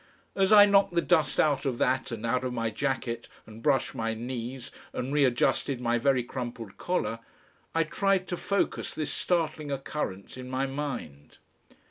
As I knocked the dust out of that and out of my jacket, and brushed my knees and readjusted my very crumpled collar, I tried to focus this startling occurrence in my mind.